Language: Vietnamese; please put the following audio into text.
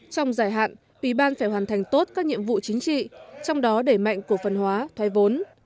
trong dài hạn ủy ban phải hoàn thành tốt các nhiệm vụ chính trị trong đó đẩy mạnh cổ phân hóa thoái vốn